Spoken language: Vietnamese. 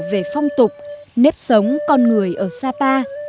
về phong tục nếp sống con người ở sapa